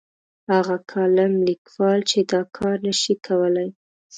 هغه کالم لیکوال چې دا کار نه شي کولای.